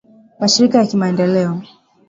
mashirika ya kimaendeleo